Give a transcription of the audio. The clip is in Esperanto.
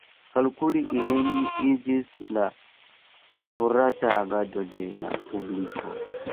Kalkuli ilin iĝis la favorata agado de la publiko.